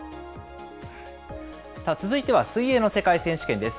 続いては水泳の世界選手権です。